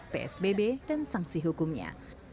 psbb dan sanksi hukumnya